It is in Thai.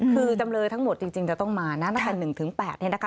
คือจำเลยทั้งหมดจริงจะต้องมานะตั้งแต่๑๘เนี่ยนะคะ